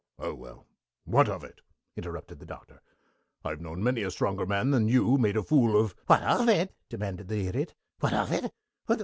"Oh, well, what of it?" interrupted the Doctor. "I've known many a stronger man than you made a fool of " "What of it?" demanded the Idiot. "What of it?